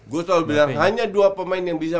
gue tau hanya dua pemain yang bisa